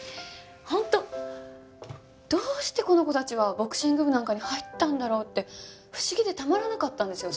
本当どうしてこの子たちはボクシング部なんかに入ったんだろうって不思議でたまらなかったんですよ